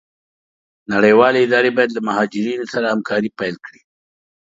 نړيوالي اداري بايد له مهاجرينو سره همکاري پيل کړي.